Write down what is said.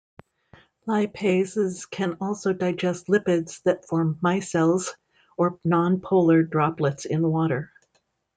Lipases can also digest lipids that form micelles or nonpolar droplets in water.